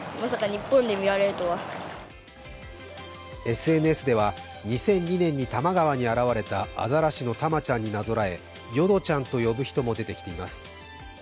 ＳＮＳでは２００２年に多摩川に現れたアザラシのタマちゃんになぞらえ、よどちゃんと呼ぶ人も出てきています。